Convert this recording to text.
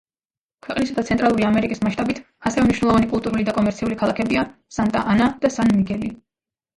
ქვეყნისა და ცენტრალური ამერიკის მასშტაბით ასევე მნიშვნელოვანი კულტურული და კომერციული ქალაქებია სანტა-ანა და სან-მიგელი.